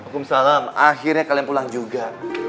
waalaikumsalam akhirnya kalian pulang juga